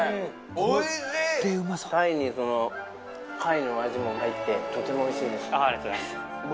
おいしい鯛に貝の味も入ってとてもおいしいです僕